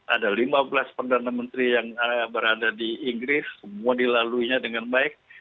ada lima belas perdana menteri yang berada di inggris semua dilaluinya dengan baik